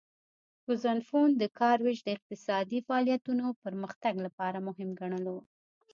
ګزنفون د کار ویش د اقتصادي فعالیتونو پرمختګ لپاره مهم ګڼلو